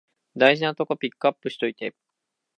大事なとこピックアップしといて